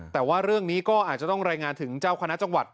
แต่ว่าเรื่องนี้ก็อาจจะต้องรายงานถึงเจ้าคณะจังหวัด